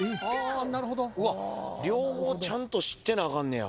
うわっ両方ちゃんと知ってなあかんねや。